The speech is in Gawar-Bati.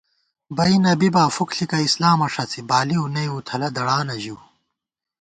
بئی نہ بِبا فُک ݪِکہ اسلامہ ݭڅی بالِؤ نئ وُتھَلہ دڑانہ ژِؤ